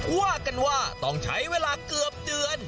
ว่ากันว่าต้องใช้เวลาเกือบเดือน